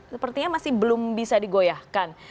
sepertinya masih belum bisa digoyahkan